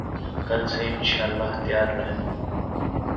کل سے ان شاءاللہ تیار رہنا